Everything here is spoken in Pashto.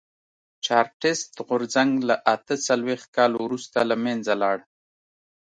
چارټېست غورځنګ له اته څلوېښت کال وروسته له منځه لاړ.